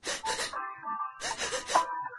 কিশোরীদের মতো ছোট ছোট চিবুক।